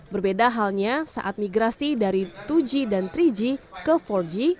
berbeda halnya saat migrasi dari dua g dan tiga g ke empat g